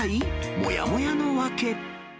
もやもやの訳。